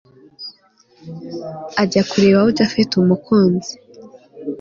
ajya kureba aho japhet umukunzi